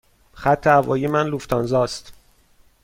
خط هوایی من لوفتانزا است.